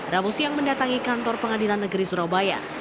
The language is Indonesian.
ramosiang mendatangi kantor pengadilan negeri surabaya